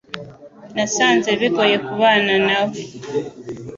Nasanze bigoye kubana na we